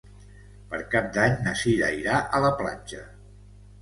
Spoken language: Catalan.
Per Cap d'Any na Cira irà a la platja.